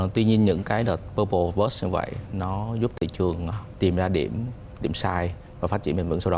tuy nhiên những cái đợt purple burst như vậy nó giúp thị trường tìm ra điểm sai